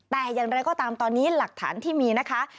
แต่อย่างไรก็ตามตอนนี้หลักฐานที่มีนะคะ